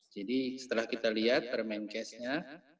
jadi setelah kita lihat permen case nya